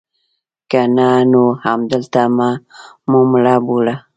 که نه نو همدلته مو مړه بوله.